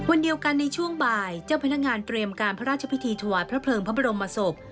วันเดียวกันในช่วงบ่ายเจ้าพนักงานเตรียมการพระราชพิธีถวายพระเพลิงพระบรมศพ